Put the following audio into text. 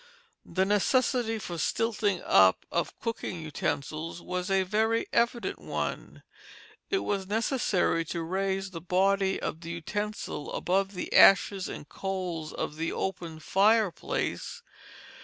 The necessity for the stilting up of cooking utensils was a very evident one; it was necessary to raise the body of the utensil above the ashes and coals of the open fireplace.